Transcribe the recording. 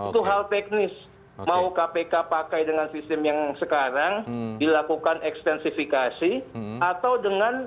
itu hal teknis mau kpk pakai dengan sistem yang sekarang dilakukan ekstensifikasi atau dengan